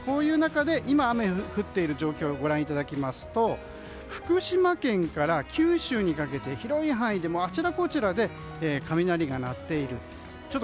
今、雨が降っている状況をご覧いただきますと福島から九州にかけて広い範囲で、あちらこちらで雷が鳴っている。